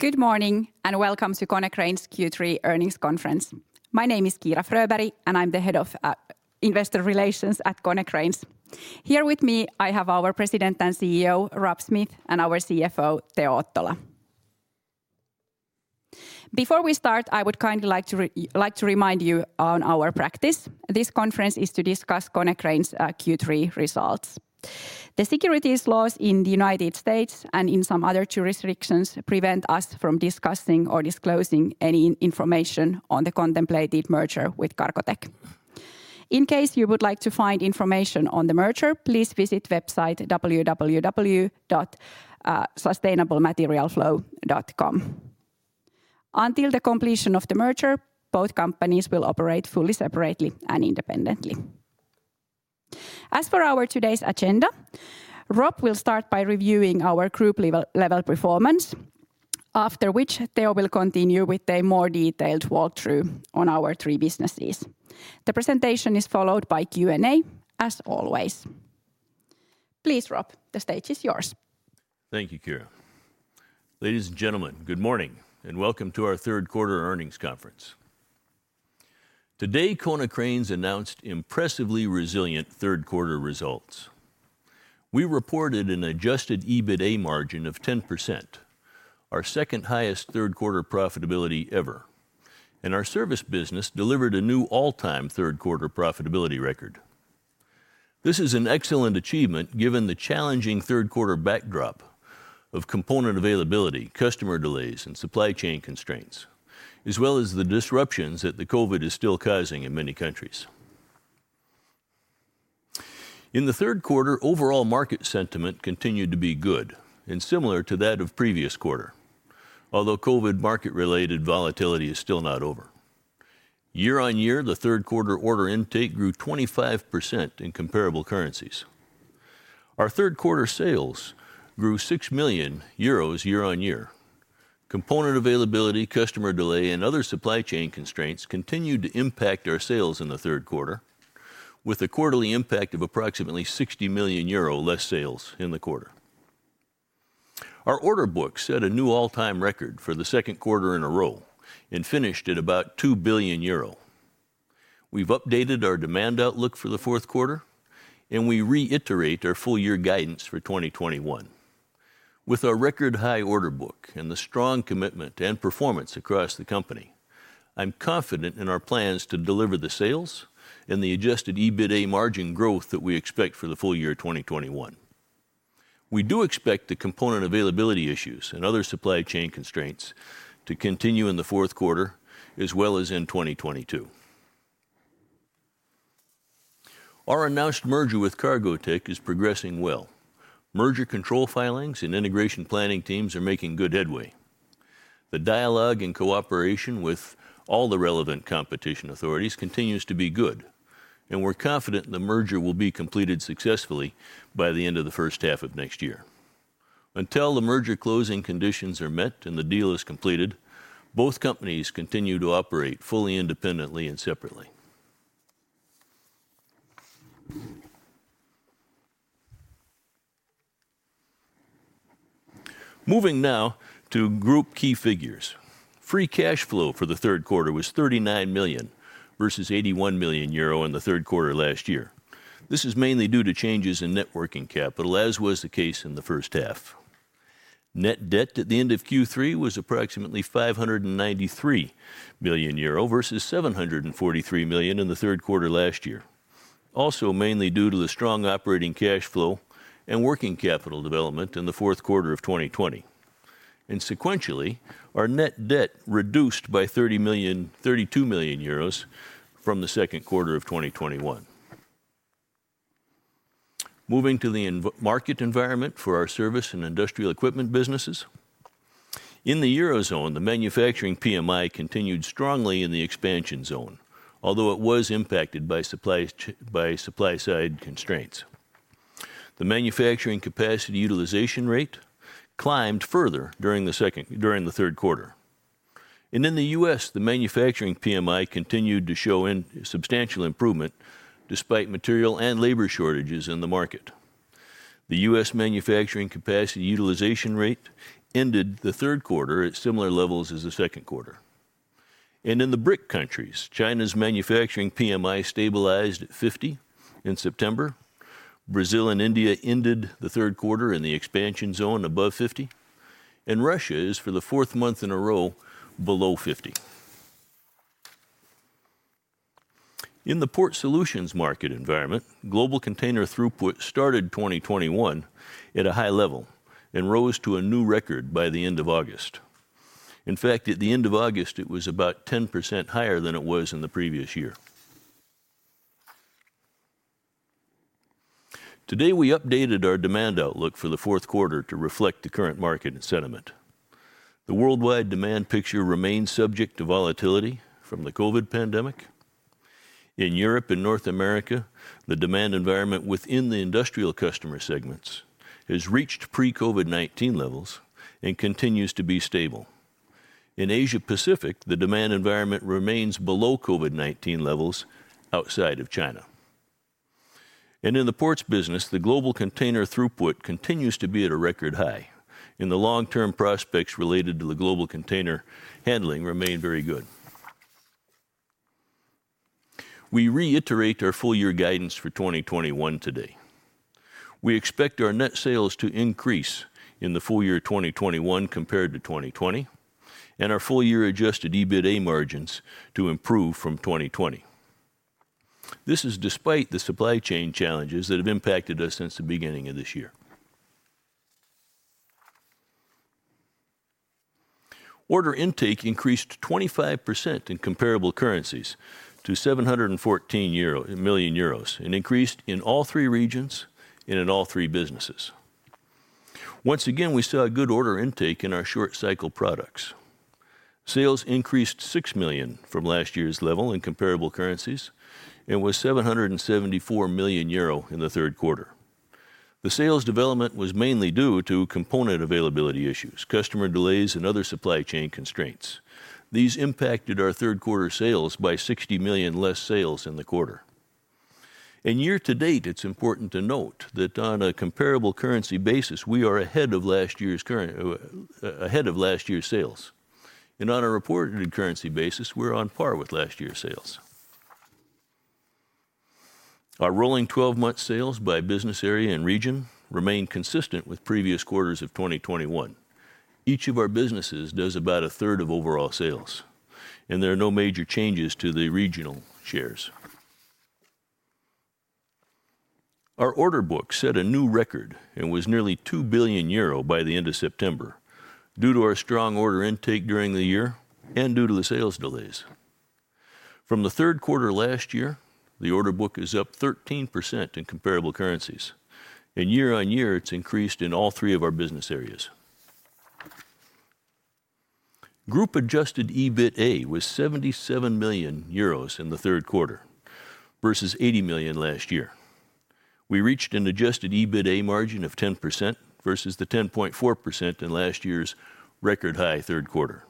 Good morning, and welcome to Konecranes Q3 Earnings Conference. My name is Kiira Fröberg, and I'm the head of investor relations at Konecranes. Here with me, I have our President and CEO, Rob Smith, and our CFO, Teo Ottola. Before we start, I would kindly like to remind you on our practice. This conference is to discuss Konecranes Q3 results. The securities laws in the United States and in some other jurisdictions prevent us from discussing or disclosing any information on the contemplated merger with Cargotec. In case you would like to find information on the merger, please visit website www.sustainablematerialflow.com. Until the completion of the merger, both companies will operate fully separately and independently. As for our today's agenda, Rob will start by reviewing our group level performance, after which Teo will continue with a more detailed walkthrough on our three businesses. The presentation is followed by Q&A, as always. Please, Rob, the stage is yours. Thank you, Kiira. Ladies and gentlemen, good morning, and welcome to our Third Quarter Earnings Conference. Today, Konecranes announced impressively resilient third quarter results. We reported an Adjusted EBITDA margin of 10%, our second highest third quarter profitability ever, and our service business delivered a new all-time third quarter profitability record. This is an excellent achievement given the challenging third quarter backdrop of component availability, customer delays, and supply chain constraints, as well as the disruptions that the COVID is still causing in many countries. In the third quarter, overall market sentiment continued to be good and similar to that of previous quarter, although COVID market-related volatility is still not over. Year-on-year, the third quarter order intake grew 25% in comparable currencies. Our third quarter sales grew 6 million euros year-on-year. Component availability, customer delay, and other supply chain constraints continued to impact our sales in the third quarter, with a quarterly impact of approximately 60 million euro less sales in the quarter. Our order book set a new all-time record for the second quarter in a row and finished at about 2 billion euro. We've updated our demand outlook for the fourth quarter, and we reiterate our full year guidance for 2021. With our record high order book and the strong commitment and performance across the company, I'm confident in our plans to deliver the sales and the Adjusted EBITDA margin growth that we expect for the full year 2021. We do expect the component availability issues and other supply chain constraints to continue in the fourth quarter as well as in 2022. Our announced merger with Cargotec is progressing well. Merger control filings and integration planning teams are making good headway. The dialogue and cooperation with all the relevant competition authorities continues to be good, and we're confident the merger will be completed successfully by the end of the first half of next year. Until the merger closing conditions are met and the deal is completed, both companies continue to operate fully independently and separately. Moving now to group key figures. Free cash flow for the third quarter was 39 million versus 81 million euro in the third quarter last year. This is mainly due to changes in net working capital, as was the case in the first half. Net debt at the end of Q3 was approximately 593 million euro versus 743 million in the third quarter last year, also mainly due to the strong operating cash flow and working capital development in the fourth quarter of 2020. Sequentially, our net debt reduced by 32 million euros from the second quarter of 2021. Moving to the market environment for our service and industrial equipment businesses. In the Eurozone, the manufacturing PMI continued strongly in the expansion zone, although it was impacted by supply-side constraints. The manufacturing capacity utilization rate climbed further during the third quarter. In the U.S., the manufacturing PMI continued to show substantial improvement despite material and labor shortages in the market. The U.S. manufacturing capacity utilization rate ended the third quarter at similar levels as the second quarter. In the BRIC countries, China's manufacturing PMI stabilized at 50 in September. Brazil and India ended the third quarter in the expansion zone above 50, and Russia is for the fourth month in a row below 50. In the Port Solutions market environment, global container throughput started 2021 at a high level and rose to a new record by the end of August. In fact, at the end of August, it was about 10% higher than it was in the previous year. Today, we updated our demand outlook for the fourth quarter to reflect the current market and sentiment. The worldwide demand picture remains subject to volatility from the COVID pandemic. In Europe and North America, the demand environment within the industrial customer segments has reached pre-COVID-19 levels and continues to be stable. In Asia-Pacific, the demand environment remains below COVID-19 levels outside of China. In the ports business, the global container throughput continues to be at a record high, and the long-term prospects related to the global container handling remain very good. We reiterate our full year guidance for 2021 today. We expect our net sales to increase in the full year 2021 compared to 2020 and our full year Adjusted EBITDA margins to improve from 2020. This is despite the supply chain challenges that have impacted us since the beginning of this year. Order intake increased 25% in comparable currencies to 714 million euro and increased in all three regions and in all three businesses. Once again, we saw a good order intake in our short cycle products. Sales increased 6 million from last year's level in comparable currencies and was 774 million euro in the third quarter. The sales development was mainly due to component availability issues, customer delays, and other supply chain constraints. These impacted our third quarter sales by 60 million less sales in the quarter. In year to date, it's important to note that on a comparable currency basis, we are ahead of last year's sales. On a reported currency basis, we're on par with last year's sales. Our rolling 12-month sales by business area and region remain consistent with previous quarters of 2021. Each of our businesses does about a third of overall sales, and there are no major changes to the regional shares. Our order book set a new record and was nearly 2 billion euro by the end of September due to our strong order intake during the year and due to the sales delays. From the third quarter last year, the order book is up 13% in comparable currencies. Year-over-year, it's increased in all three of our business areas. Group Adjusted EBITDA was 77 million euros in the third quarter versus 80 million last year. We reached an Adjusted EBITDA margin of 10% versus the 10.4% in last year's record high third quarter.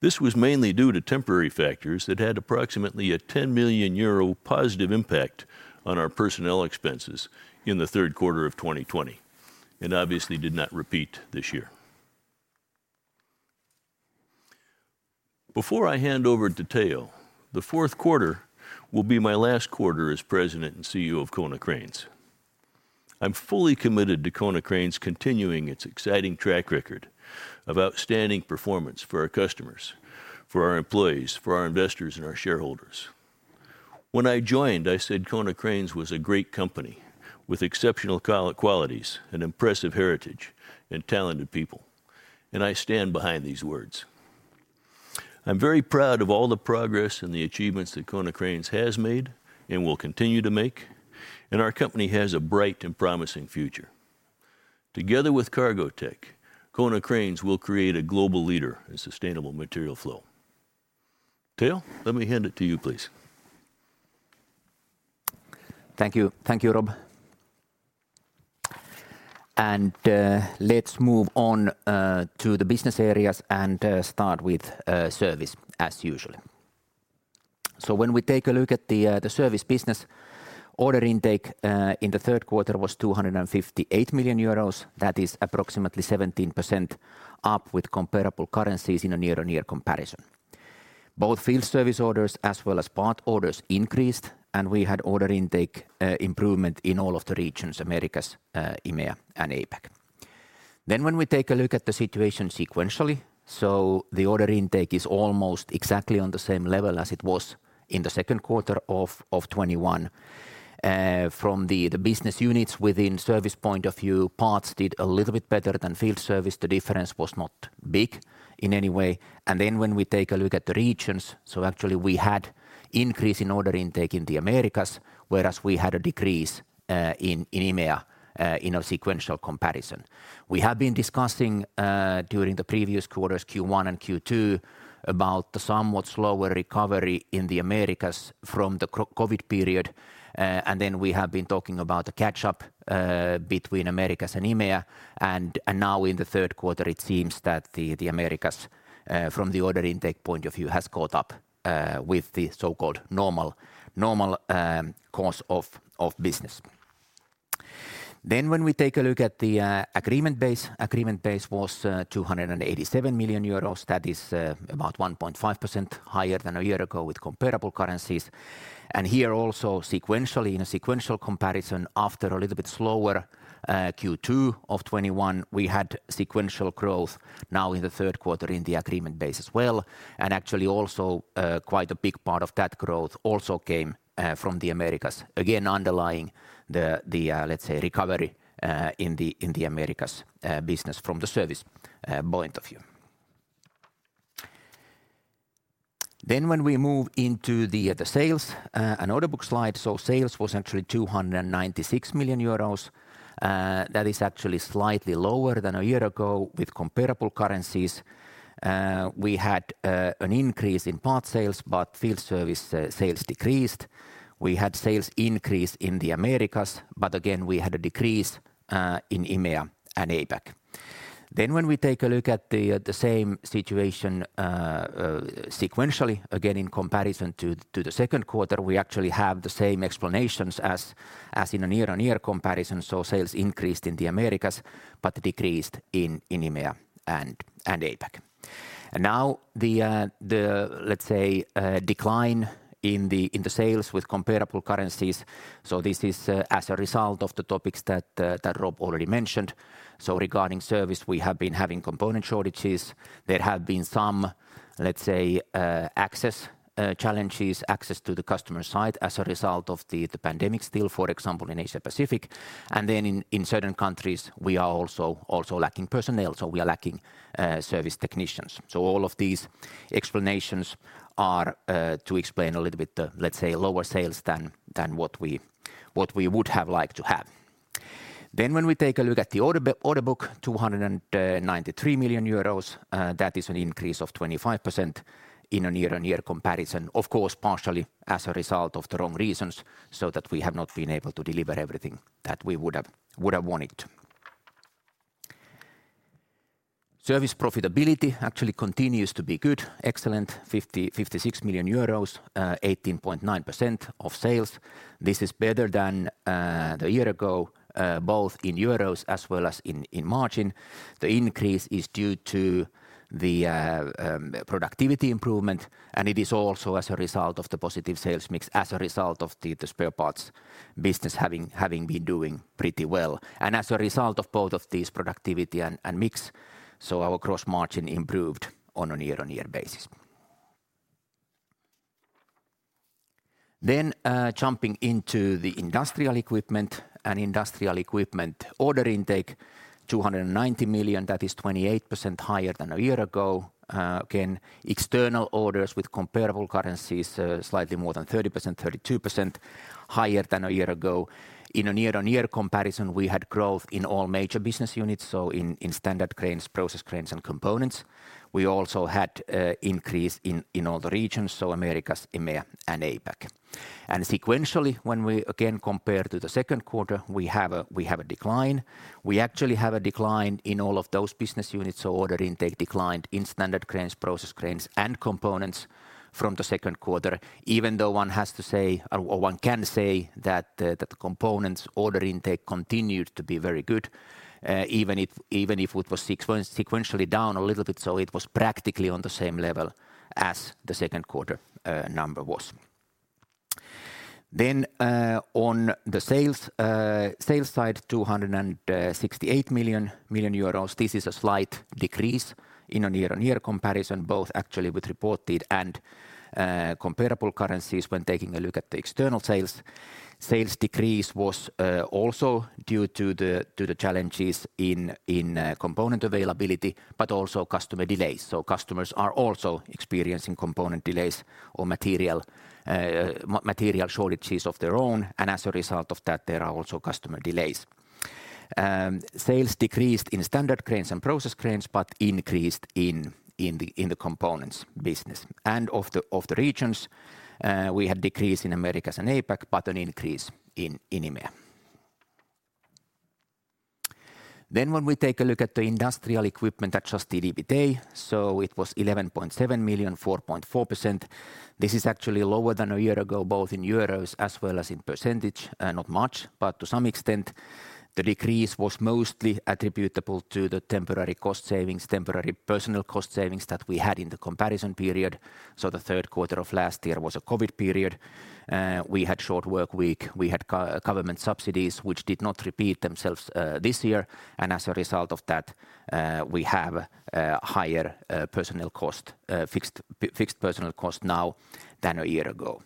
This was mainly due to temporary factors that had approximately a 10 million euro positive impact on our personnel expenses in the third quarter of 2020 and obviously did not repeat this year. Before I hand over to Teo, the fourth quarter will be my last quarter as President and CEO of Konecranes. I'm fully committed to Konecranes continuing its exciting track record of outstanding performance for our customers, for our employees, for our investors, and our shareholders. When I joined, I said Konecranes was a great company with exceptional qualities and impressive heritage and talented people, and I stand behind these words. I'm very proud of all the progress and the achievements that Konecranes has made and will continue to make, and our company has a bright and promising future. Together with Cargotec, Konecranes will create a global leader in sustainable material flow. Teo, let me hand it to you, please. Thank you. Thank you, Rob. Let's move on to the business areas and start with service as usual. When we take a look at the service business, order intake in the third quarter was 258 million euros. That is approximately 17% up with comparable currencies in a year-on-year comparison. Both field service orders as well as part orders increased, and we had order intake improvement in all of the regions, Americas, EMEA, and APAC. When we take a look at the situation sequentially, the order intake is almost exactly on the same level as it was in the second quarter of 2021. From the business units within service point of view, parts did a little bit better than field service. The difference was not big in any way. When we take a look at the regions, so actually we had increase in order intake in the Americas, whereas we had a decrease in EMEA in a sequential comparison. We have been discussing during the previous quarters, Q1 and Q2, about the somewhat slower recovery in the Americas from the COVID period. We have been talking about the catch-up between Americas and EMEA. Now in the third quarter, it seems that the Americas from the order intake point of view has caught up with the so-called normal course of business. When we take a look at the agreement base, agreement base was 287 million euros. That is about 1.5% higher than a year ago with comparable currencies. Here also sequentially, in a sequential comparison after a little bit slower Q2 of 2021, we had sequential growth now in the third quarter in the agreement base as well. Actually also, quite a big part of that growth also came from the Americas, again, underlying the, let's say, recovery in the Americas business from the service point of view. When we move into the sales and order book slide. Sales was actually 296 million euros. That is actually slightly lower than a year ago with comparable currencies. We had an increase in part sales, but field service sales decreased. We had sales increase in the Americas, but again, we had a decrease in EMEA and APAC. When we take a look at the same situation sequentially, again in comparison to the second quarter, we actually have the same explanations as in a year-on-year comparison. Sales increased in the Americas but decreased in EMEA and APAC. Now the let's say decline in the sales with comparable currencies, so this is as a result of the topics that Rob already mentioned. Regarding service, we have been having component shortages. There have been some let's say access challenges to the customer side as a result of the pandemic still, for example, in Asia Pacific. Then in certain countries, we are also lacking personnel. We are lacking service technicians. All of these explanations are to explain a little bit the, let's say, lower sales than what we would have liked to have. When we take a look at the order book, 293 million euros, that is an increase of 25% in a year-on-year comparison, of course, partially as a result of the wrong reasons, so that we have not been able to deliver everything that we would have wanted. Service profitability actually continues to be good, excellent, 56 million euros, 18.9% of sales. This is better than the year ago, both in euros as well as in margin. The increase is due to the productivity improvement, and it is also as a result of the positive sales mix, as a result of the spare parts business having been doing pretty well. As a result of both of these productivity and mix, our gross margin improved on a year-on-year basis. Jumping into the industrial equipment and industrial equipment order intake, 290 million, that is 28% higher than a year ago. Again, external orders with comparable currencies, slightly more than 30%, 32% higher than a year ago. In a year-on-year comparison, we had growth in all major business units, so in standard cranes, process cranes, and components. We also had increase in all the regions, so Americas, EMEA, and APAC. Sequentially, when we again compare to the second quarter, we have a decline. We actually have a decline in all of those business units. Order intake declined in standard cranes, process cranes, and Components from the second quarter. Even though one has to say, or one can say that the Components order intake continued to be very good, even if it was sequentially down a little bit, so it was practically on the same level as the second quarter number was. On the sales side, 268 million. This is a slight decrease in a year-on-year comparison, both actually with reported and comparable currencies when taking a look at the external sales. Sales decrease was also due to the challenges in component availability, but also customer delays. Customers are also experiencing component delays or material shortages of their own, and as a result of that, there are also customer delays. Sales decreased in standard cranes and process cranes, but increased in the components business. Of the regions, we had decrease in Americas and APAC, but an increase in EMEA. When we take a look at the industrial equipment Adjusted EBITDA, it was 11.7 million, 4.4%. This is actually lower than a year ago, both in euros as well as in percentage, not much. To some extent, the decrease was mostly attributable to the temporary cost savings, temporary personnel cost savings that we had in the comparison period. The third quarter of last year was a COVID period. We had short work week. We had government subsidies, which did not repeat themselves this year. And as a result of that, we have higher personnel cost, fixed personnel cost now than a year ago.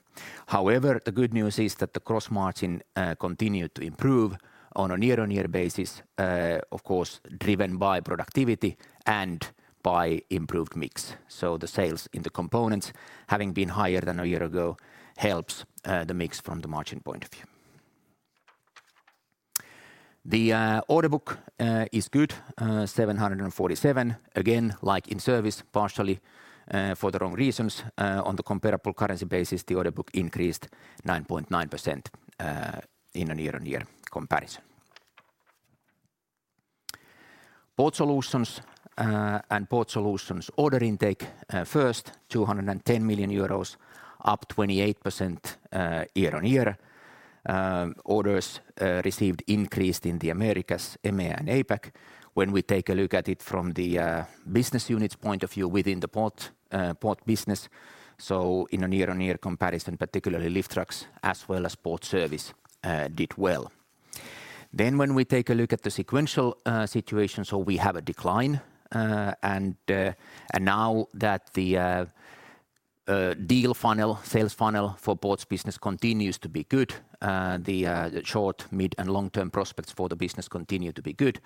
However, the good news is that the gross margin continued to improve on a year-on-year basis, of course, driven by productivity and by improved mix. The sales in the Components having been higher than a year ago helps the mix from the margin point of view. The order book is good, 747 million. Again, like in service, partially for the wrong reasons. On the comparable currency basis, the order book increased 9.9% in a year-on-year comparison. Port Solutions, and Port Solutions order intake was 210 million euros, up 28% year-on-year. Orders received increased in the Americas, EMEA, and APAC. When we take a look at it from the business units point of view within the Port Solutions business, in a year-on-year comparison, particularly lift trucks as well as Port Services did well. When we take a look at the sequential situation, we have a decline, and now the deal funnel, sales funnel for Port Solutions business continues to be good. The short, mid, and long-term prospects for the business continue to be good.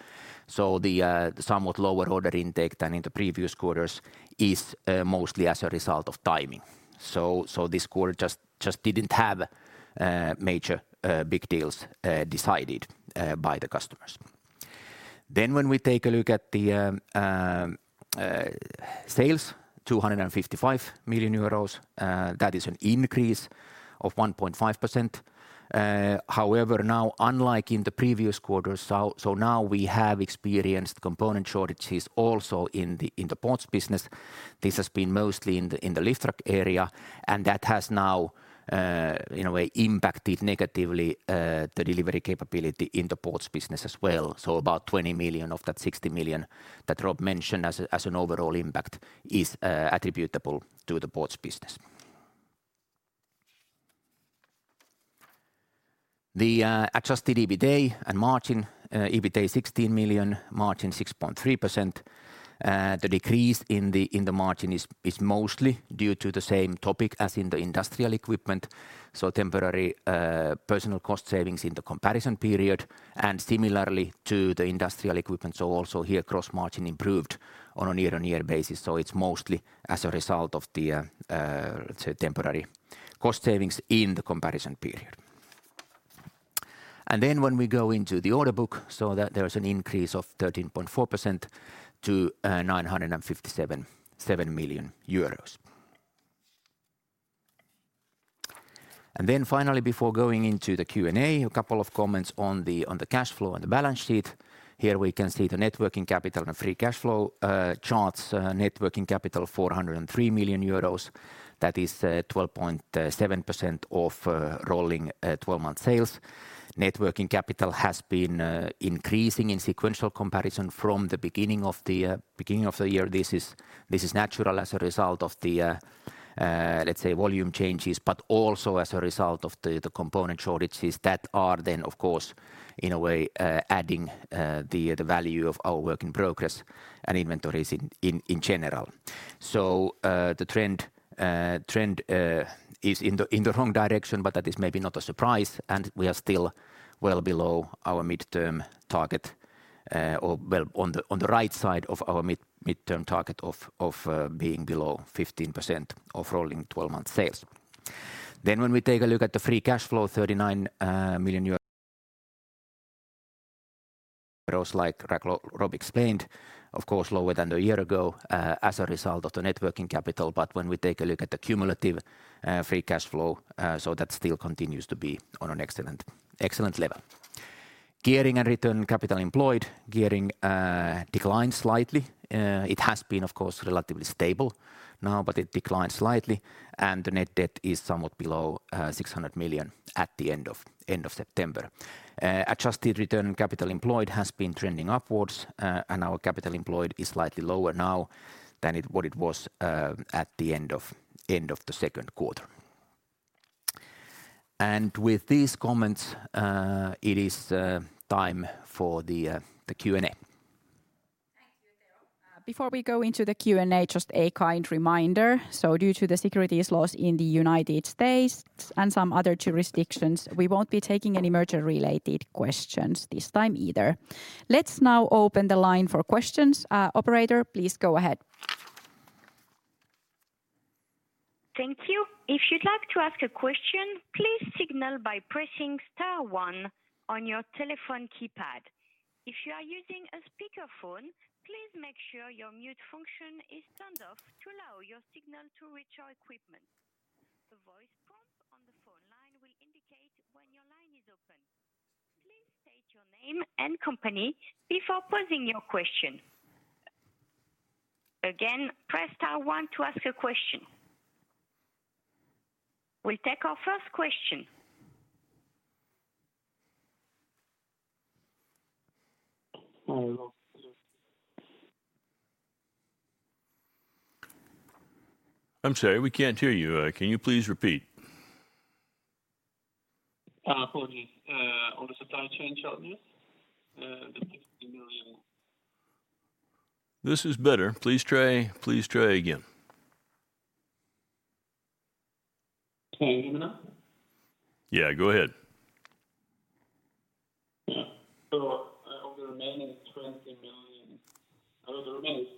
The somewhat lower order intake than in the previous quarters is mostly as a result of timing. This quarter just didn't have major big deals decided by the customers. When we take a look at the sales 255 million euros. That is an increase of 1.5%. However, now unlike in the previous quarters, we have experienced component shortages also in the ports business. This has been mostly in the lift truck area, and that has now in a way impacted negatively the delivery capability in the ports business as well. About 20 million of that 60 million that Rob mentioned as an overall impact is attributable to the ports business. The Adjusted EBITDA and margin, EBITDA 16 million, margin 6.3%. The decrease in the margin is mostly due to the same topic as in the industrial equipment, temporary personnel cost savings in the comparison period and similarly to the industrial equipment. Also here gross margin improved on a year-on-year basis, it's mostly as a result of the temporary cost savings in the comparison period. When we go into the order book, there's an increase of 13.4% to 957.7 million euros. Finally, before going into the Q&A, a couple of comments on the cash flow and the balance sheet. Here we can see the net working capital and free cash flow charts. Net working capital 403 million euros. That is 12.7% of rolling 12-month sales. Net working capital has been increasing in sequential comparison from the beginning of the year. This is natural as a result of the volume changes, but also as a result of the component shortages that are then of course in a way adding the value of our work in progress and inventories in general. The trend is in the wrong direction, but that is maybe not a surprise, and we are still well below our midterm target. On the right side of our midterm target of being below 15% of rolling 12-month sales. When we take a look at the free cash flow, 39 million euros, like Rob explained, of course lower than a year ago as a result of the net working capital. When we take a look at the cumulative free cash flow, so that still continues to be on an excellent level. Gearing and return on capital employed. Gearing declined slightly. It has been of course relatively stable now, but it declined slightly, and the net debt is somewhat below 600 million at the end of September. Adjusted return on capital employed has been trending upwards, and our capital employed is slightly lower now than what it was at the end of the second quarter. With these comments, it is time for the Q&A. Thank you, Teo. Before we go into the Q&A, just a kind reminder. Due to the securities laws in the United States and some other jurisdictions, we won't be taking any merger-related questions this time either. Let's now open the line for questions. Operator, please go ahead. Thank you. If you'd like to ask a question, please signal by pressing star one on your telephone keypad. If you are using a speakerphone, please make sure your mute function is turned off to allow your signal to reach our equipment. The voice prompt on the phone line will indicate when your line is open. Please state your name and company before posing your question. Again, press star one to ask a question. We'll take our first question. Hello. I'm sorry, we can't hear you. Can you please repeat? Apologies. On the supply chain shortages, the EUR 60 million- This is better. Please try again. Can you hear me now? Yeah, go ahead. On the remaining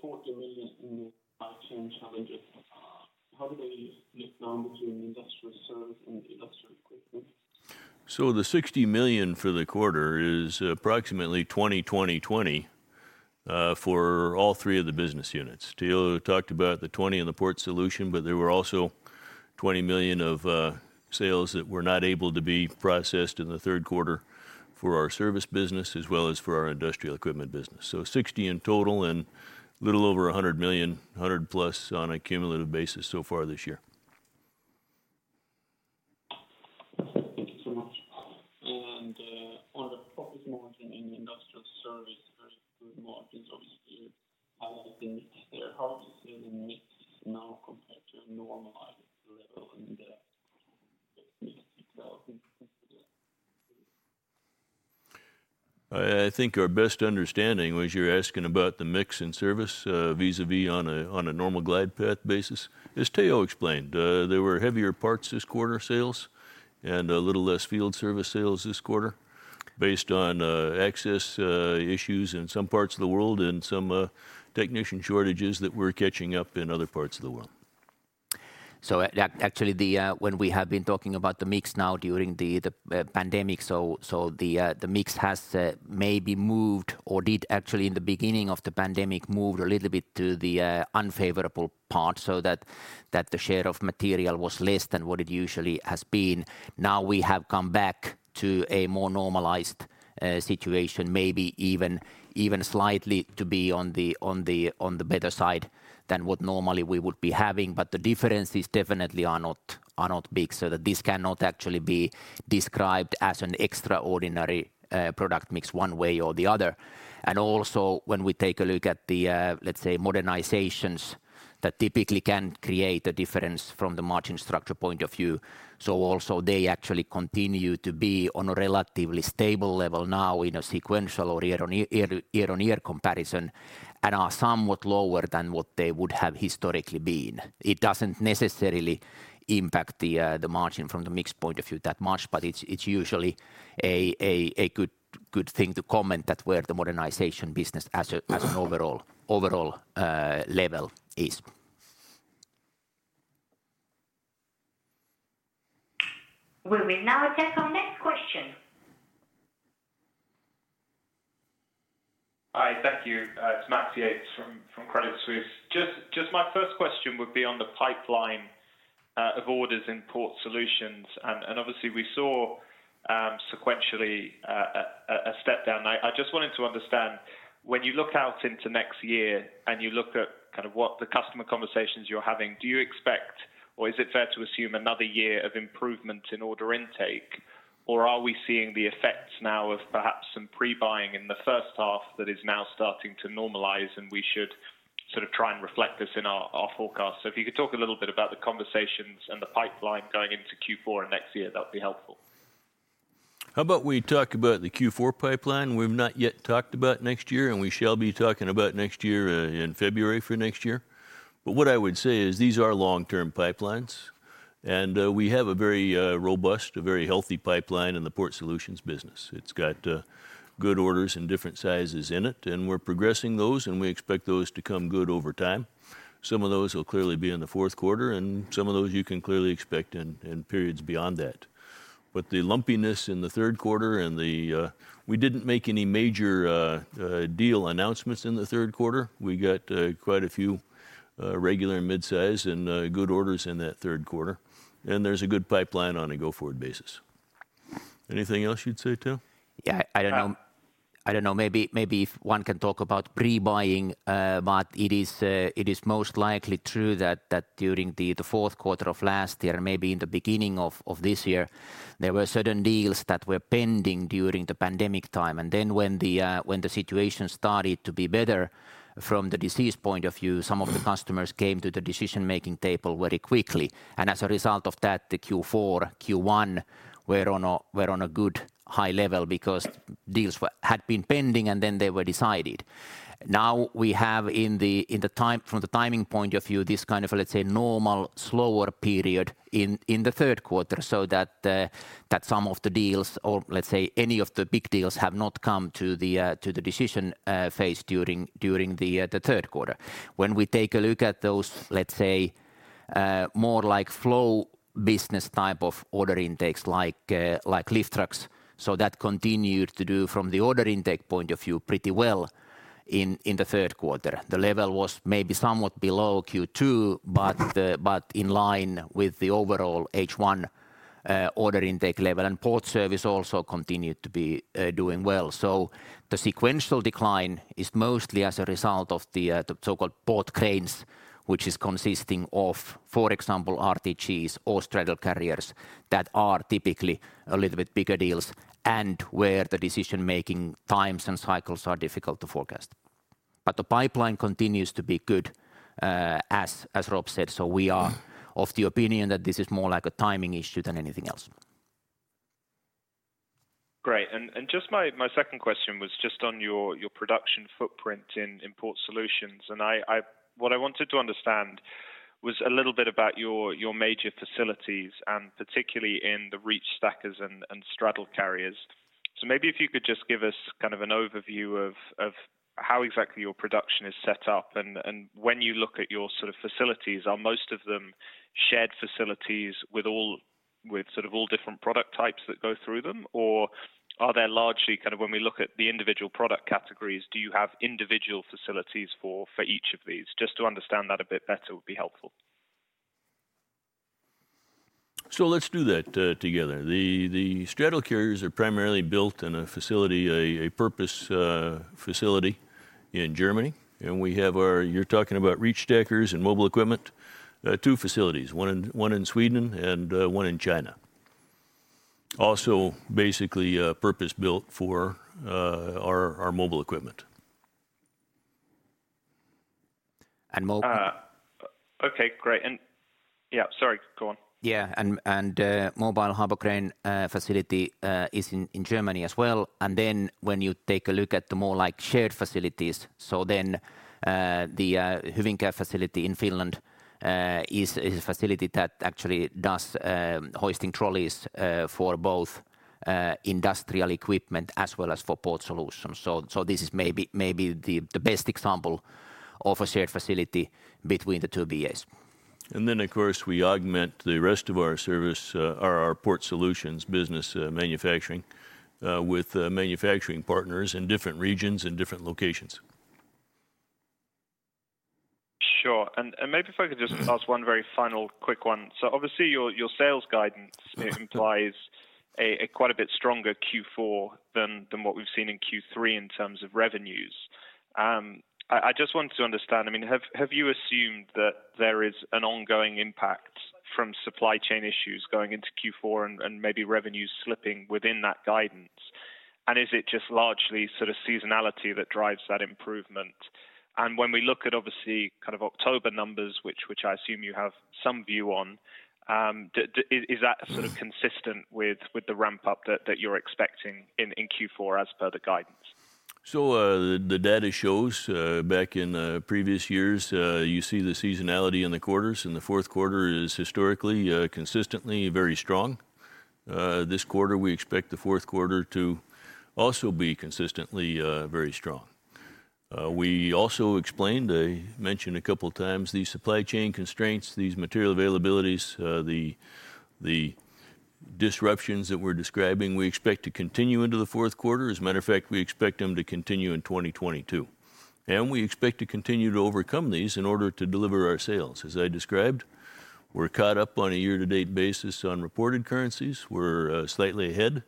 40 million in the supply chain challenges, how do they break down between Industrial Service and Industrial Equipment? The 60 million for the quarter is approximately 20/20/20 for all three of the business units. Teo talked about the 20 in the Port Solutions, but there were also 20 million of sales that were not able to be processed in the third quarter for our service business as well as for our industrial equipment business. 60 in total and a little over 100 million, 100+ on a cumulative basis so far this year. Thank you so much. On the profit margin in industrial service, very good margins obviously highlighting there. How is the mix now compared to a normalized level in the 66,000- I think our best understanding was you're asking about the mix in service vis-à-vis on a normal glide path basis. As Teo explained, there were heavier parts this quarter sales and a little less field service sales this quarter based on access issues in some parts of the world and some technician shortages that we're catching up in other parts of the world. Actually, when we have been talking about the mix now during the pandemic, the mix has maybe moved or did actually in the beginning of the pandemic moved a little bit to the unfavorable part so that the share of material was less than what it usually has been. Now we have come back to a more normalized situation, maybe even slightly to be on the better side than what normally we would be having. But the differences definitely are not big. That this cannot actually be described as an extraordinary product mix one way or the other. Also when we take a look at the, let's say modernizations that typically can create a difference from the margin structure point of view. They actually continue to be on a relatively stable level now in a sequential or year-over-year comparison, and are somewhat lower than what they would have historically been. It doesn't necessarily impact the margin from the mix point of view that much, but it's usually a good thing to comment that where the modernization business as an overall level is. We will now take our next question. Hi, thank you. It's Max Yates from Credit Suisse. Just my first question would be on the pipeline of orders in Port Solutions. Obviously we saw sequentially a step down. I just wanted to understand, when you look out into next year and you look at kind of what the customer conversations you're having, do you expect or is it fair to assume another year of improvement in order intake? Or are we seeing the effects now of perhaps some pre-buying in the first half that is now starting to normalize, and we should sort of try and reflect this in our forecast? If you could talk a little bit about the conversations and the pipeline going into Q4 and next year, that would be helpful. How about we talk about the Q4 pipeline? We've not yet talked about next year, and we shall be talking about next year in February for next year. What I would say is these are long-term pipelines and we have a very robust, a very healthy pipeline in the Port Solutions business. It's got good orders and different sizes in it, and we're progressing those, and we expect those to come good over time. Some of those will clearly be in the fourth quarter, and some of those you can clearly expect in periods beyond that. The lumpiness in the third quarter, and we didn't make any major deal announcements in the third quarter. We got quite a few regular mid-size and good orders in that third quarter, and there's a good pipeline on a go-forward basis. Anything else you'd say, Teo? Yeah. I don't know. Maybe if one can talk about pre-buying, but it is most likely true that during the fourth quarter of last year, maybe in the beginning of this year, there were certain deals that were pending during the pandemic time. Then when the situation started to be better from the disease point of view, some of the customers came to the decision-making table very quickly. As a result of that, the Q4, Q1 were on a good high level because deals had been pending and then they were decided. Now we have from the timing point of view, this kind of, let's say, normal slower period in the third quarter, so that some of the deals, or let's say any of the big deals, have not come to the decision phase during the third quarter. When we take a look at those, let's say, more like flow business type of order intakes like lift trucks, so that continued to do pretty well from the order intake point of view in the third quarter. The level was maybe somewhat below Q2, but in line with the overall H1 order intake level. Port Services also continued to be doing well. The sequential decline is mostly as a result of the so-called port cranes, which is consisting of, for example, RTGs or straddle carriers that are typically a little bit bigger deals and where the decision-making times and cycles are difficult to forecast. The pipeline continues to be good, as Rob said. We are of the opinion that this is more like a timing issue than anything else. Great. Just my second question was just on your production footprint in Port Solutions. What I wanted to understand was a little bit about your major facilities, and particularly in the reach stackers and straddle carriers. Maybe if you could just give us kind of an overview of how exactly your production is set up. When you look at your sort of facilities, are most of them shared facilities with all sort of all different product types that go through them? Are they largely kind of when we look at the individual product categories, do you have individual facilities for each of these? Just to understand that a bit better would be helpful. Let's do that together. The straddle carriers are primarily built in a purpose-built facility in Germany. We have our reach stackers and mobile equipment. Two facilities, one in Sweden and one in China. Also basically purpose-built for our mobile equipment. And mo- Okay, great. Yeah, sorry. Go on. Yeah, mobile harbor crane facility is in Germany as well. When you take a look at the more like shared facilities, the Hyvinkää facility in Finland is a facility that actually does hoisting trolleys for both Industrial Equipment as well as for Port Solutions. This is maybe the best example of a shared facility between the two BAs. Of course, we augment the rest of our service or our Port Solutions business manufacturing with manufacturing partners in different regions and different locations. Sure. Maybe if I could just- Mm-hmm. Ask one very final quick one. Obviously, your sales guidance Mm-hmm. It implies a quite a bit stronger Q4 than what we've seen in Q3 in terms of revenues. I just want to understand. I mean, have you assumed that there is an ongoing impact from supply chain issues going into Q4 and maybe revenues slipping within that guidance? Is it just largely sort of seasonality that drives that improvement? When we look at obviously kind of October numbers, which I assume you have some view on, is that sort of Mm-hmm. consistent with the ramp up that you're expecting in Q4 as per the guidance? The data shows back in previous years you see the seasonality in the quarters, and the fourth quarter is historically consistently very strong. This quarter, we expect the fourth quarter to also be consistently very strong. We also explained, I mentioned a couple times, these supply chain constraints, these material availabilities, the disruptions that we're describing, we expect to continue into the fourth quarter. As a matter of fact, we expect them to continue in 2022. We expect to continue to overcome these in order to deliver our sales. As I described, we're caught up on a year-to-date basis on reported currencies. We're slightly ahead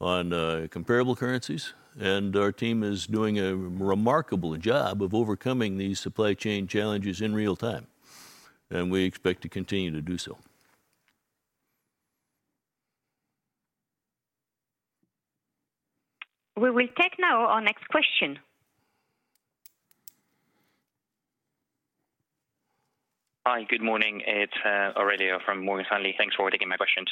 on comparable currencies. Our team is doing a remarkable job of overcoming these supply chain challenges in real time, and we expect to continue to do so. We will take now our next question. Hi, good morning. It's Aurelio from Morgan Stanley. Thanks for taking my questions.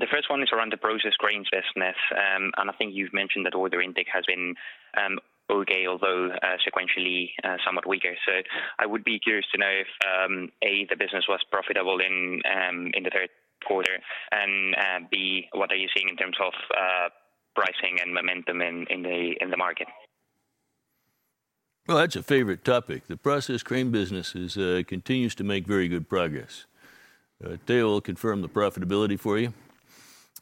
The first one is around the Process Cranes business. I think you've mentioned that order intake has been okay, although sequentially somewhat weaker. I would be curious to know if A, the business was profitable in the third quarter, and B, what are you seeing in terms of pricing and momentum in the market? Well, that's a favorite topic. The process cranes business continues to make very good progress. Teo will confirm the profitability for you.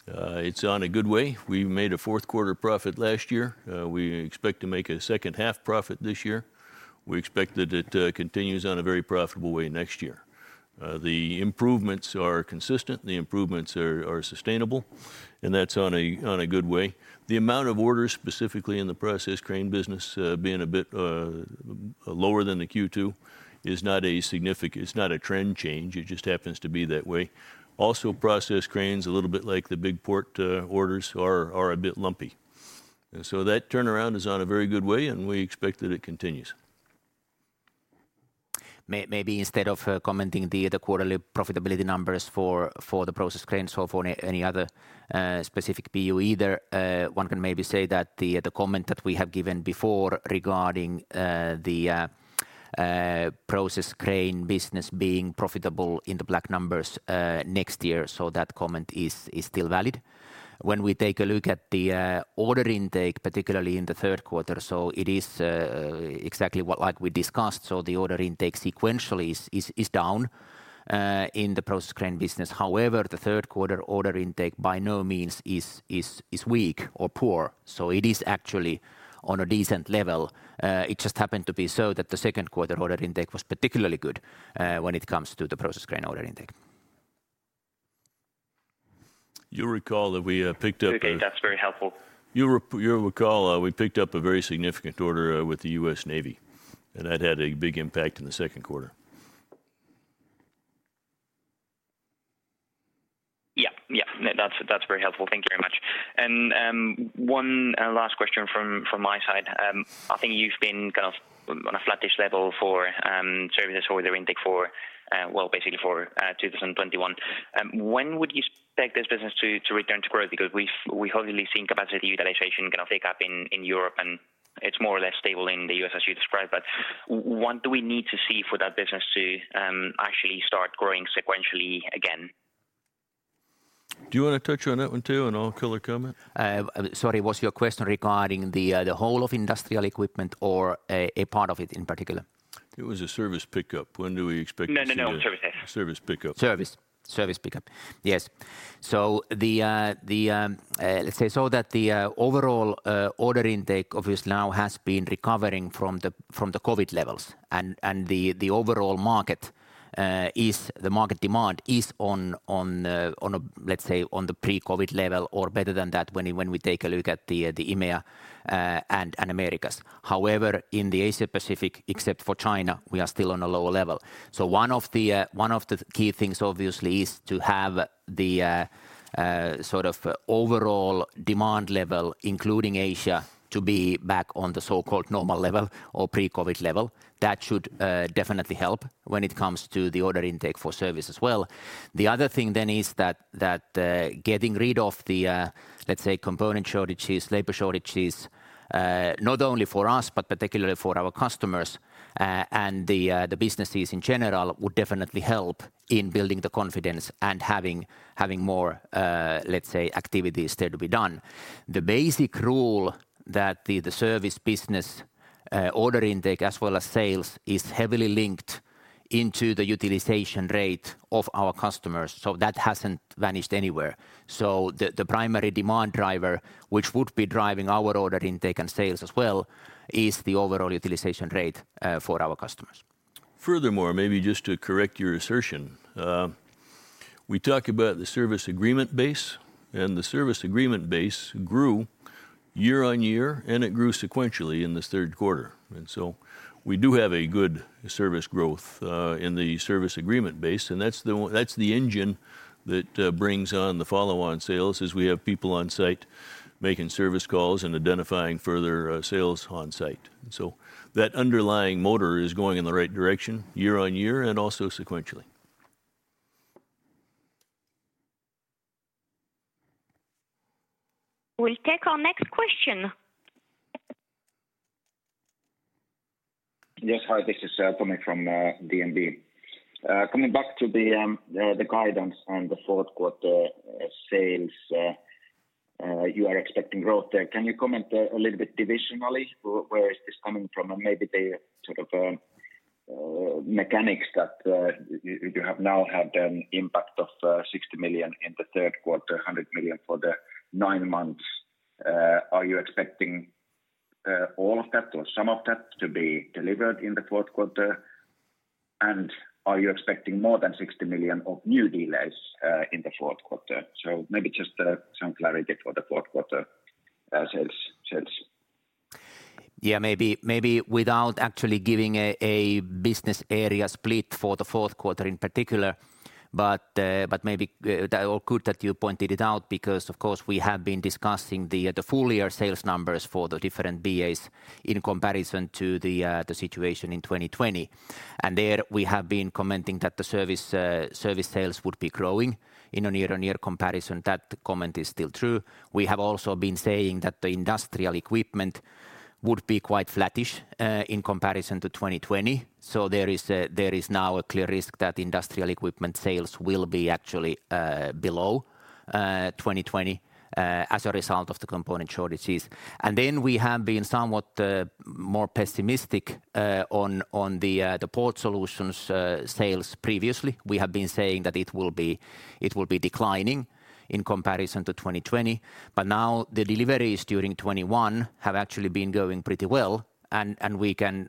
It's on a good way. We made a fourth quarter profit last year. We expect to make a second half profit this year. We expect that it continues on a very profitable way next year. The improvements are consistent, are sustainable, and that's on a good way. The amount of orders specifically in the process cranes business being a bit lower than the Q2 is not a significant. It's not a trend change. It just happens to be that way. Also, process cranes, a little bit like the big port orders are a bit lumpy. That turnaround is on a very good way, and we expect that it continues. Maybe instead of commenting on the quarterly profitability numbers for the process cranes or for any other specific BU either, one can maybe say that the comment that we have given before regarding the process crane business being profitable in the black numbers next year, so that comment is still valid. When we take a look at the order intake, particularly in the third quarter, so it is exactly what like we discussed. The order intake sequentially is down in the process crane business. However, the third quarter order intake by no means is weak or poor. It is actually on a decent level. It just happened to be so that the second quarter order intake was particularly good when it comes to the process crane order intake. You'll recall that we picked up a- Okay. That's very helpful. You'll recall, we picked up a very significant order with the U.S. Navy, and that had a big impact in the second quarter. Yeah. Yeah. That's very helpful. Thank you very much. One last question from my side. I think you've been kind of on a flattish level for services order intake for, well, basically for 2021. When would you expect this business to return to growth? Because we've only seen capacity utilization kind of pick up in Europe, and it's more or less stable in the U.S. as you described. What do we need to see for that business to actually start growing sequentially again? Do you wanna touch on that one too, and I'll color commentary? Sorry, was your question regarding the whole of industrial equipment or a part of it in particular? It was a service pickup. When do we expect to see the- No, no. Services. Service pickup. Service pickup. Yes, the overall order intake obviously now has been recovering from the COVID levels and the overall market, the market demand is on a, let's say, on the pre-COVID level or better than that when we take a look at the EMEA and Americas. However, in the Asia Pacific, except for China, we are still on a lower level. One of the key things obviously is to have the sort of overall demand level, including Asia, to be back on the so-called normal level or pre-COVID level. That should definitely help when it comes to the order intake for service as well. The other thing then is that getting rid of the, let's say, component shortages, labor shortages, not only for us, but particularly for our customers, and the businesses in general would definitely help in building the confidence and having more, let's say, activities there to be done. The basic rule that the service business, order intake as well as sales is heavily linked into the utilization rate of our customers. That hasn't vanished anywhere. The primary demand driver, which would be driving our order intake and sales as well, is the overall utilization rate for our customers. Furthermore, maybe just to correct your assertion. We talk about the service agreement base, and the service agreement base grew year-over-year, and it grew sequentially in this third quarter. We do have a good service growth in the service agreement base, and that's the engine that brings on the follow-on sales as we have people on site making service calls and identifying further sales on site. That underlying motor is going in the right direction year-over-year and also sequentially. We'll take our next question. Yes. Hi, this is Tommy from DNB. Coming back to the guidance on the fourth quarter sales, you are expecting growth there. Can you comment a little bit divisionally where is this coming from? And maybe the sort of mechanics that you have now had an impact of 60 million in the third quarter, 100 million for the nine months. Are you expecting all of that or some of that to be delivered in the fourth quarter? And are you expecting more than 60 million of new delays in the fourth quarter? Maybe just some clarity for the fourth quarter sales. Yeah. Maybe without actually giving a business area split for the fourth quarter in particular, but maybe or good that you pointed it out because of course we have been discussing the full year sales numbers for the different BAs in comparison to the situation in 2020. There we have been commenting that the Service sales would be growing in a year-on-year comparison. That comment is still true. We have also been saying that the Industrial Equipment would be quite flattish in comparison to 2020. There is now a clear risk that Industrial Equipment sales will be actually below 2020 as a result of the component shortages. Then we have been somewhat more pessimistic on the Port Solutions sales previously. We have been saying that it will be declining in comparison to 2020. Now the deliveries during 2021 have actually been going pretty well when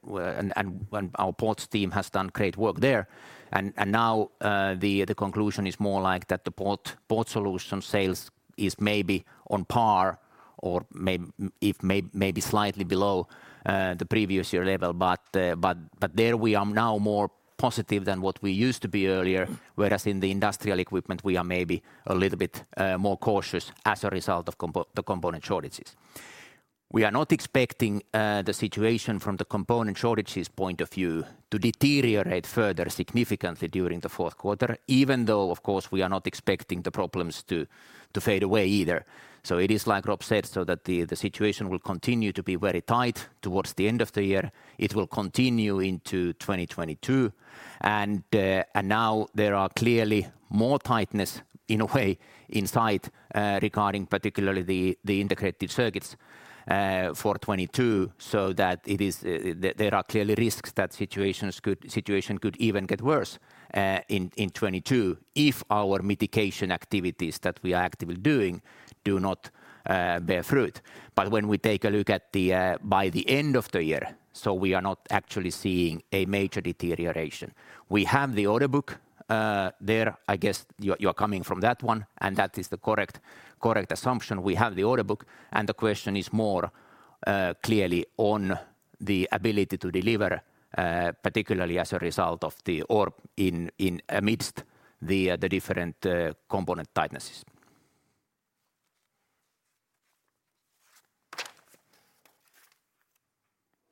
our ports team has done great work there. The conclusion is more like that the Port Solutions sales is maybe on par or maybe slightly below the previous year level. There we are now more positive than what we used to be earlier, whereas in the industrial equipment we are maybe a little bit more cautious as a result of the component shortages. We are not expecting the situation from the component shortages point of view to deteriorate further significantly during the fourth quarter, even though, of course, we are not expecting the problems to fade away either. It is like Rob said, so that the situation will continue to be very tight towards the end of the year. It will continue into 2022. Now there are clearly more tightness in a way in sight regarding particularly the integrated circuits for 2022, so that there are clearly risks that situation could even get worse in 2022 if our mitigation activities that we are actively doing do not bear fruit. But when we take a look by the end of the year, we are not actually seeing a major deterioration. We have the order book there. I guess you're coming from that one, and that is the correct assumption. We have the order book, and the question is more clearly on the ability to deliver, particularly amidst the different component tightness's.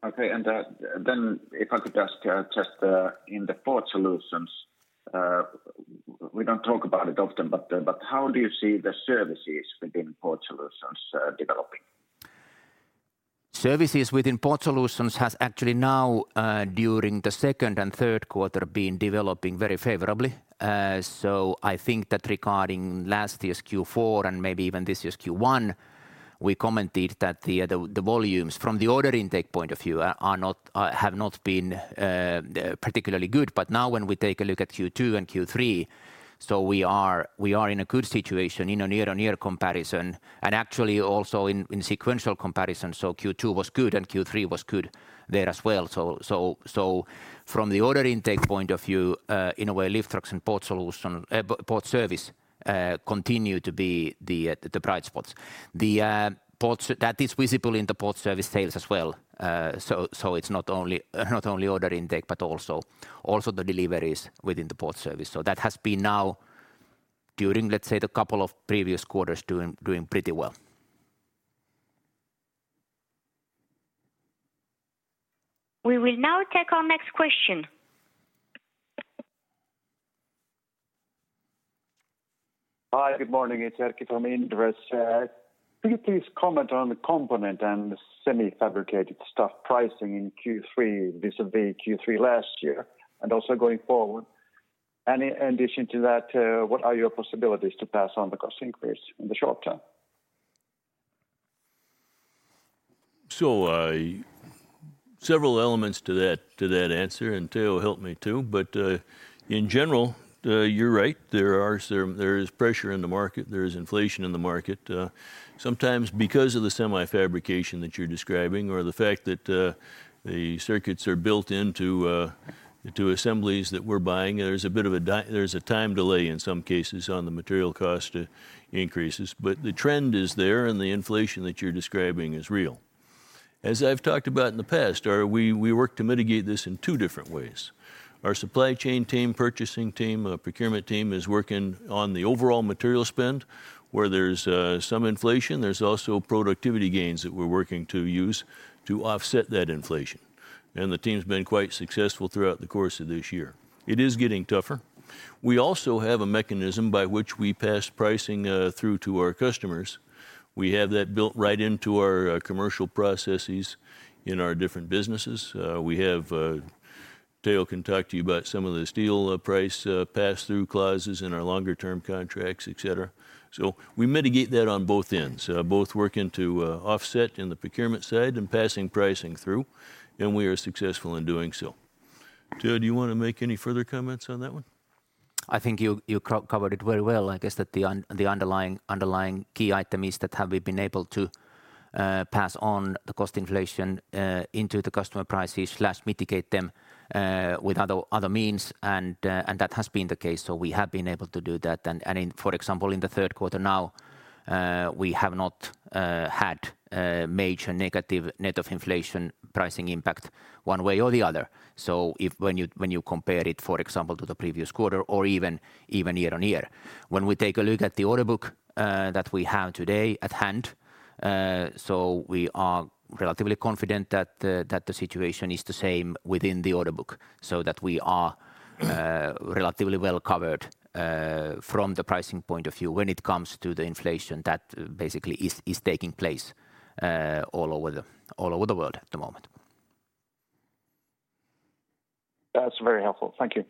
Okay. If I could just in the Port Solutions, we don't talk about it often, but how do you see the services within Port Solutions developing? Services within Port Solutions has actually now during the second and third quarter been developing very favorably. I think that regarding last year's Q4 and maybe even this year's Q1, we commented that the volumes from the order intake point of view have not been particularly good. Now when we take a look at Q2 and Q3, we are in a good situation in a year-on-year comparison and actually also in sequential comparison. Q2 was good, and Q3 was good there as well. From the order intake point of view, in a way, Lift Trucks and Port Services continue to be the bright spots. That is visible in the Port Services sales as well. It's not only order intake, but also the deliveries within the Port Services. That has been now during, let's say, the couple of previous quarters doing pretty well. We will now take our next question. Hi, good morning. It's Erkki from Inderes. Could you please comment on the component and semi-fabricated stuff pricing in Q3 vis-à-vis Q3 last year and also going forward? In addition to that, what are your possibilities to pass on the cost increase in the short term? Several elements to that answer, and Teo will help me too. In general, you're right. There is pressure in the market. There is inflation in the market, sometimes because of the semiconductor fabrication that you're describing or the fact that the circuits are built into assemblies that we're buying. There's a time delay in some cases on the material cost increases. The trend is there, and the inflation that you're describing is real. As I've talked about in the past, we work to mitigate this in two different ways. Our supply chain team, purchasing team, procurement team is working on the overall material spend, where there's some inflation. There's also productivity gains that we're working to use to offset that inflation. The team's been quite successful throughout the course of this year. It is getting tougher. We also have a mechanism by which we pass pricing through to our customers. We have that built right into our commercial processes in our different businesses. Teo can talk to you about some of the steel price pass-through clauses in our longer term contracts, et cetera. We mitigate that on both ends, both working to offset in the procurement side and passing pricing through, and we are successful in doing so. Teo, do you wanna make any further comments on that one? I think you covered it very well. I guess that the underlying key item is that have we been able to pass on the cost inflation into the customer prices, mitigate them with other means. In, for example, in the third quarter now, we have not had major negative net of inflation pricing impact one way or the other. If when you compare it, for example, to the previous quarter or even year-on-year. When we take a look at the order book that we have today at hand, so we are relatively confident that the situation is the same within the order book, so that we are relatively well covered from the pricing point of view when it comes to the inflation that basically is taking place all over the world at the moment. That's very helpful. Thank you.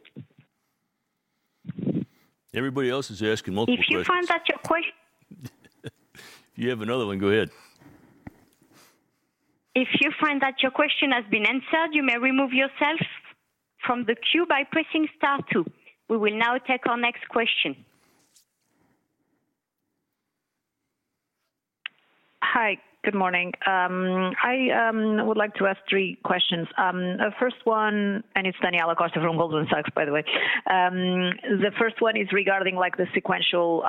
Everybody else is asking multiple questions. If you find that your que- If you have another one, go ahead. If you find that your question has been answered, you may remove yourself from the queue by pressing star two. We will now take our next question. Hi. Good morning. I would like to ask three questions. First one. It's Daniela Costa from Goldman Sachs, by the way. The first one is regarding, like, the sequential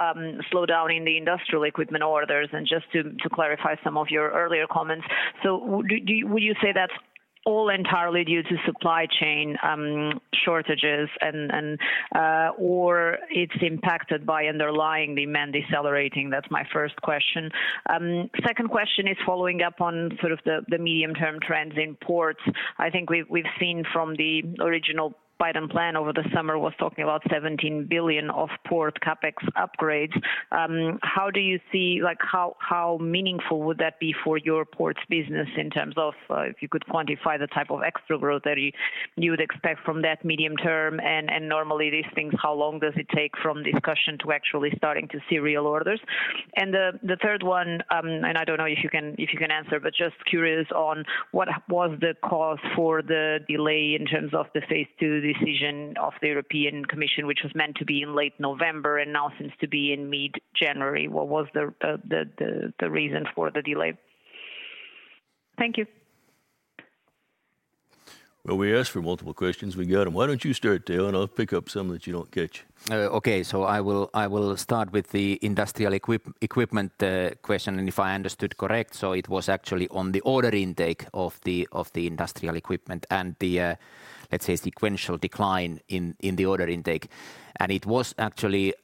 slowdown in the industrial equipment orders and just to clarify some of your earlier comments. Would you say that's all entirely due to supply chain shortages and or it's impacted by underlying demand decelerating? That's my first question. Second question is following up on sort of the medium-term trends in ports. I think we've seen from the original Biden plan over the summer was talking about $17 billion of port CapEx upgrades. How do you see, like, how meaningful would that be for your ports business in terms of, if you could quantify the type of extra growth that you'd expect from that medium term? Normally these things, how long does it take from discussion to actually starting to see real orders? The third one, I don't know if you can answer, but just curious on what was the cause for the delay in terms of the phase two decision of the European Commission, which was meant to be in late November and now seems to be in mid-January. What was the reason for the delay? Thank you. Well, we asked for multiple questions. We got 'em. Why don't you start, Teo, and I'll pick up some that you don't catch. Okay. I will start with the industrial equipment question. If I understood correctly, so it was actually on the order intake of the industrial equipment and the, let's say, sequential decline in the order intake. It was actually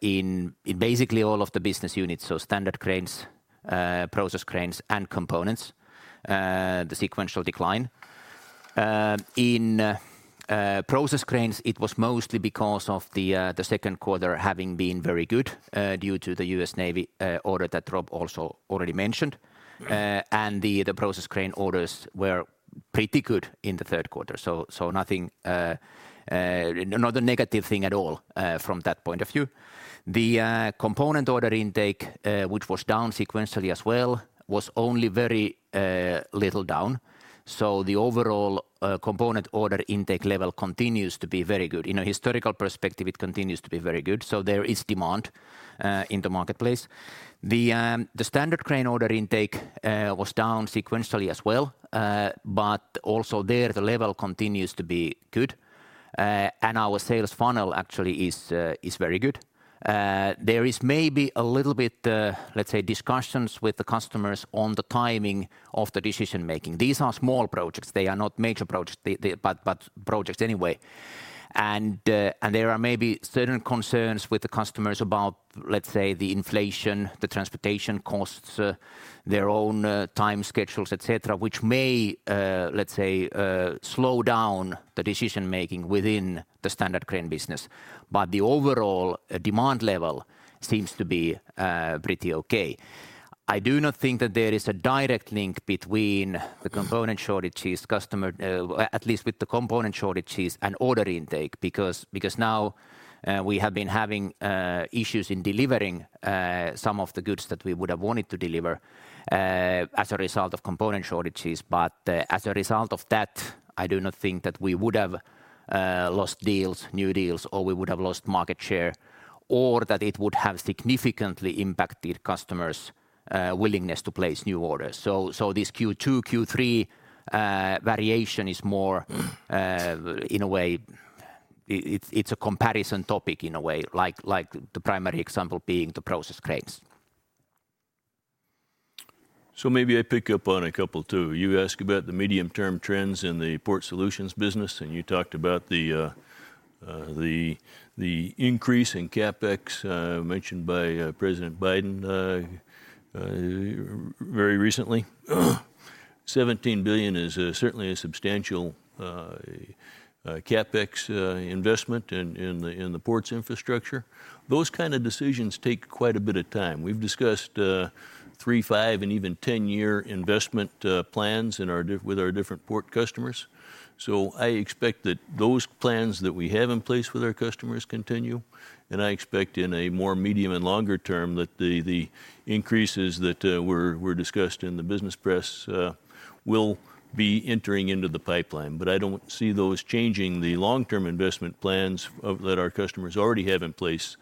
in basically all of the business units, so standard cranes, process cranes, and components, the sequential decline. In process cranes, it was mostly because of the second quarter having been very good due to the U.S. Navy order that Rob also already mentioned. The process crane orders were pretty good in the third quarter. So nothing, not a negative thing at all, from that point of view. The Components order intake, which was down sequentially as well, was only very little down. The overall Components order intake level continues to be very good. In a historical perspective, it continues to be very good, so there is demand in the marketplace. The standard cranes order intake was down sequentially as well, but also there the level continues to be good. Our sales funnel actually is very good. There is maybe a little bit, let's say, discussions with the customers on the timing of the decision making. These are small projects. They are not major projects but projects anyway. There are maybe certain concerns with the customers about, let's say, the inflation, the transportation costs, their own time schedules, et cetera, which may, let's say, slow down the decision making within the standard crane business. The overall demand level seems to be pretty okay. I do not think that there is a direct link between the component shortages, at least with the component shortages and order intake because now we have been having issues in delivering some of the goods that we would have wanted to deliver as a result of component shortages. As a result of that, I do not think that we would have lost deals, new deals, or we would have lost market share or that it would have significantly impacted customers' willingness to place new orders. So this Q2, Q3 variation is more in a way, it's a comparison topic in a way like the primary example being the process cranes. Maybe I pick up on a couple too. You asked about the medium-term trends in the Port Solutions business, and you talked about the increase in CapEx mentioned by President Biden very recently. $17 billion is certainly a substantial CapEx investment in the ports infrastructure. Those kind of decisions take quite a bit of time. We've discussed three, five, and even ten-year investment plans with our different port customers. I expect that those plans that we have in place with our customers continue. I expect in a more medium and longer term that the increases that were discussed in the business press will be entering into the pipeline. I don't see those changing the long-term investment plans of that our customers already have in place,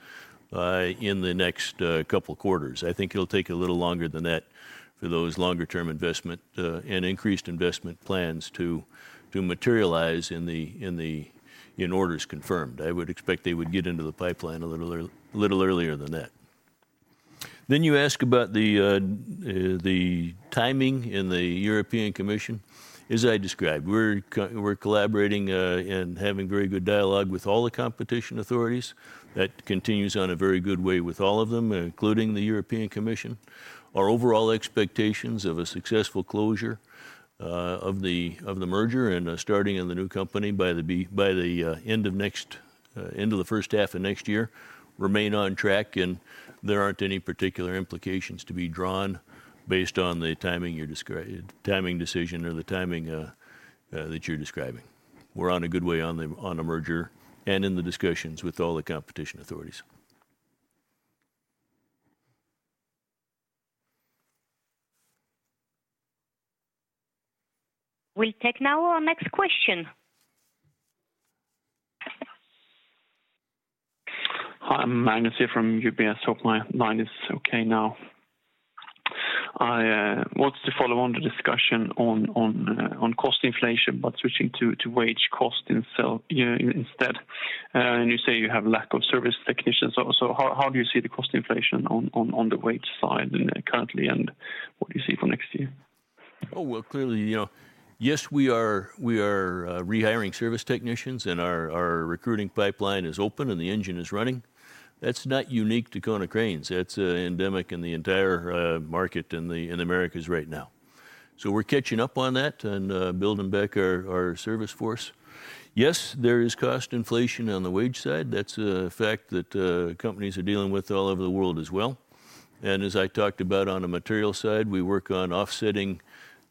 in the next couple quarters. I think it'll take a little longer than that for those longer-term investment and increased investment plans to materialize in the orders confirmed. I would expect they would get into the pipeline a little earlier than that. You ask about the timing in the European Commission. As I described, we're collaborating and having very good dialogue with all the competition authorities. That continues in a very good way with all of them, including the European Commission. Our overall expectations of a successful closure of the merger and starting in the new company by the end of the first half of next year remain on track, and there aren't any particular implications to be drawn based on the timing decision or the timing that you're describing. We're on a good way on the merger and in the discussions with all the competition authorities. We'll take now our next question. Hi, I'm Magnus here from UBS. Hope my line is okay now. I wanted to follow on the discussion on cost inflation, but switching to wage costs themselves, you know, instead. You say you have lack of service technicians. How do you see the cost inflation on the wage side and currently and what do you see for next year? Oh, well, clearly, you know, yes, we are rehiring service technicians, and our recruiting pipeline is open and the engine is running. That's not unique to Konecranes. That's endemic in the entire market in the Americas right now. We're catching up on that and building back our service force. Yes, there is cost inflation on the wage side. That's a fact that companies are dealing with all over the world as well. As I talked about on the material side, we work on offsetting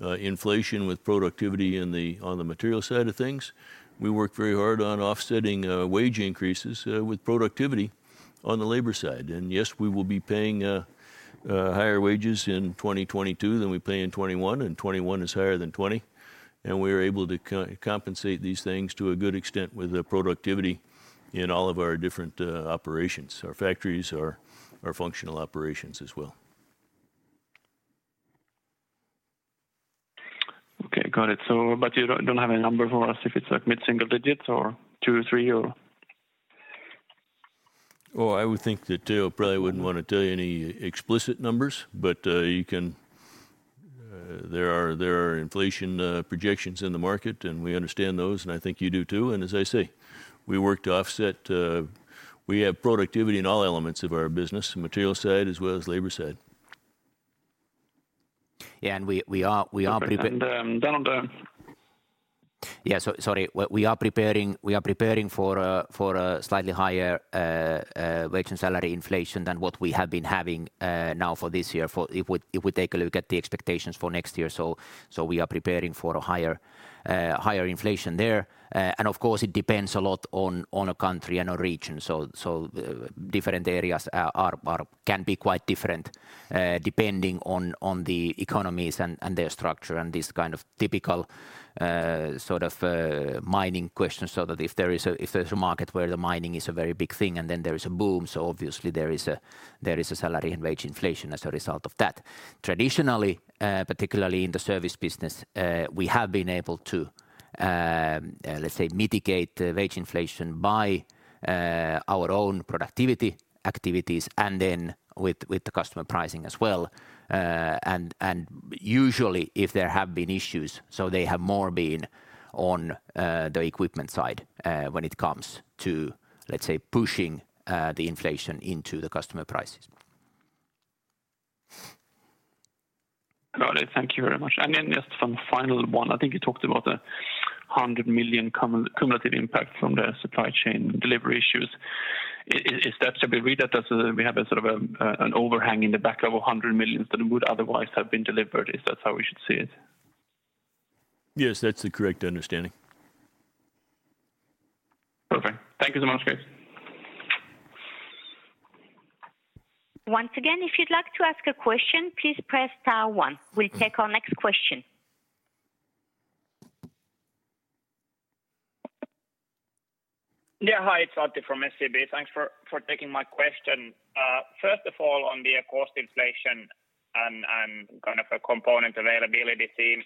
inflation with productivity on the material side of things. We work very hard on offsetting wage increases with productivity on the labor side. Yes, we will be paying higher wages in 2022 than we pay in 2021, and 2021 is higher than 2020. We are able to compensate these things to a good extent with the productivity in all of our different operations, our factories, our functional operations as well. Okay. Got it. You don't have any numbers for us if it's like mid-single digits or two, three or? Oh, I would think that I probably wouldn't wanna tell you any explicit numbers. You can, there are inflation projections in the market, and we understand those, and I think you do too. As I say, we work to offset, we have productivity in all elements of our business, material side as well as labor side. Yeah. We are prepa- And, um, then on the- Yeah. Sorry. We are preparing for a slightly higher wage and salary inflation than what we have been having now for this year. If we take a look at the expectations for next year. We are preparing for a higher inflation there. And of course, it depends a lot on a country and a region. Different areas can be quite different depending on the economies and their structure and this kind of typical sort of mining questions. That if there's a market where the mining is a very big thing, and then there is a boom, so obviously there is a salary and wage inflation as a result of that. Traditionally, particularly in the service business, we have been able to, let's say, mitigate the wage inflation by our own productivity activities and then with the customer pricing as well. Usually if there have been issues, so they have more been on the equipment side, when it comes to, let's say, pushing the inflation into the customer prices. Got it. Thank you very much. Just some final one. I think you talked about 100 million cumulative impact from the supply chain delivery issues. Is that. Should we read that as we have a sort of, an overhang in the back of 100 million that would otherwise have been delivered? Is that how we should see it? Yes, that's the correct understanding. Perfect. Thank you so much, guys. Once again, if you'd like to ask a question, please press star one. We'll take our next question. Yeah. Hi, it's Antti from SEB. Thanks for taking my question. First of all, on the cost inflation and kind of a component availability theme,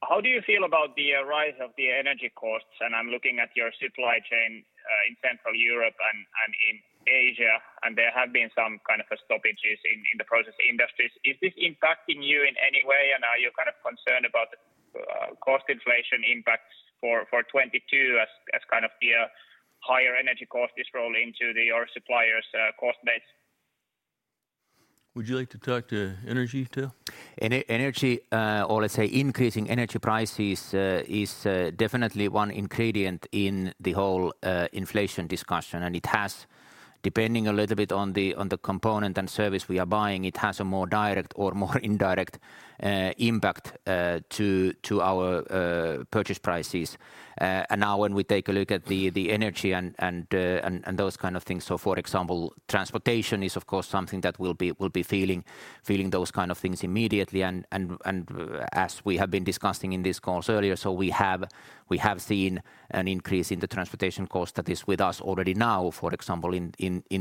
how do you feel about the rise of the energy costs? I'm looking at your supply chain in Central Europe and in Asia, and there have been some kind of stoppages in the process industries. Is this impacting you in any way? Are you kind of concerned about cost inflation impacts for 2022 as kind of the higher energy cost is rolling into your suppliers' cost base? Would you like to talk to energy too? Increasing energy prices is definitely one ingredient in the whole inflation discussion. It has, depending a little bit on the component and service we are buying, a more direct or more indirect impact to our purchase prices. Now when we take a look at the energy and those kind of things, for example, transportation is of course something that we'll be feeling those kind of things immediately and as we have been discussing in these calls earlier, we have seen an increase in the transportation cost that is with us already now, for example, in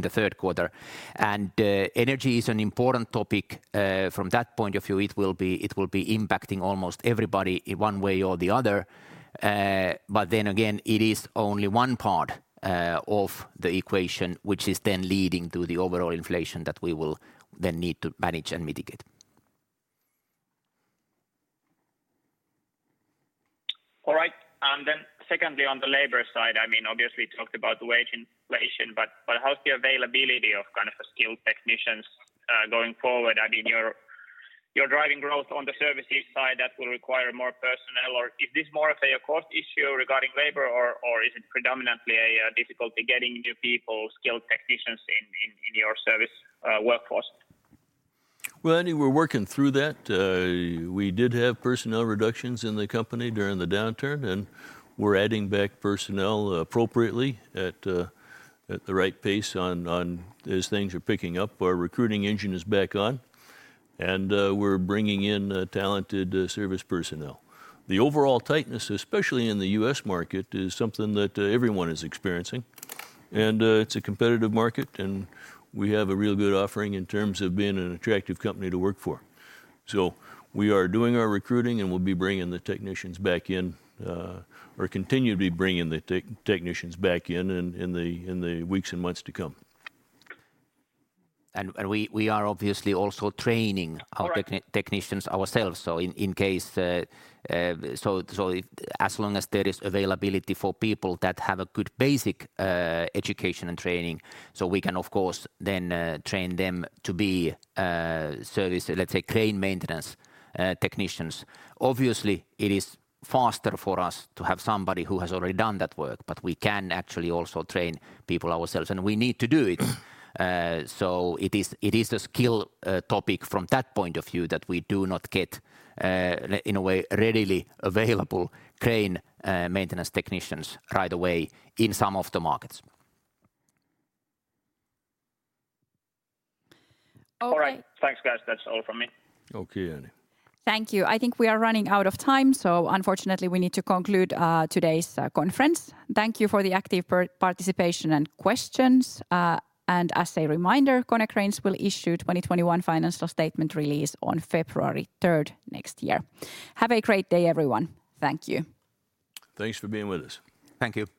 the third quarter. Energy is an important topic. From that point of view, it will be impacting almost everybody in one way or the other. Again, it is only one part of the equation, which is then leading to the overall inflation that we will then need to manage and mitigate. All right. Secondly, on the labor side, I mean, obviously you talked about the wage inflation, but how's the availability of kind of a skilled technicians going forward? I mean, you're driving growth on the services side that will require more personnel, or is this more of a cost issue regarding labor or is it predominantly a difficulty getting new people, skilled technicians in your service workforce? Well, I mean, we're working through that. We did have personnel reductions in the company during the downturn, and we're adding back personnel appropriately at the right pace on as things are picking up. Our recruiting engine is back on and we're bringing in talented service personnel. The overall tightness, especially in the U.S. market, is something that everyone is experiencing. It's a competitive market, and we have a real good offering in terms of being an attractive company to work for. We are doing our recruiting, and we'll be bringing the technicians back in or continue to be bringing the technicians back in in the weeks and months to come. We are obviously also training. All right. We train our technicians ourselves, in case there is availability for people that have a good basic education and training, we can of course then train them to be service, let's say crane maintenance technicians. Obviously, it is faster for us to have somebody who has already done that work, but we can actually also train people ourselves, and we need to do it. It is a skill topic from that point of view that we do not get in a way readily available crane maintenance technicians right away in some of the markets. All right. Okay. Thanks, guys. That's all from me. Okay, Antti. Thank you. I think we are running out of time, so unfortunately, we need to conclude today's conference. Thank you for the active participation and questions. As a reminder, Konecranes will issue 2021 financial statement release on February 3rd next year. Have a great day, everyone. Thank you. Thanks for being with us. Thank you.